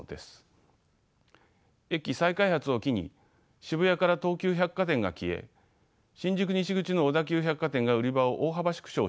駅前再開発を機に渋谷から東急百貨店が消え新宿西口の小田急百貨店が売り場を大幅縮小しました。